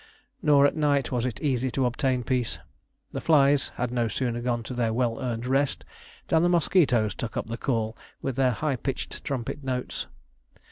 Nor at night was it easy to obtain peace. The flies had no sooner gone to their well earned rest than the mosquitoes took up the call with their high pitched trumpet notes.